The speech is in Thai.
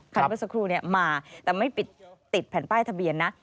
คันเวิร์ดสกรูนี้มาแต่ไม่ติดแผ่นป้ายทะเบียนนะ